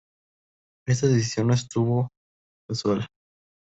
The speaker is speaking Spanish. Esta decisión no estuvo casual.